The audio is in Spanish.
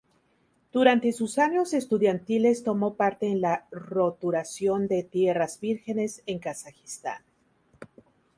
Durante sus años estudiantiles tomó parte en la roturación de tierras vírgenes en Kazajistán.